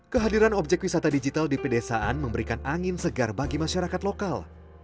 kehadiran objek wisata digital di pedesaan memberikan angin segar bagi masyarakat lokal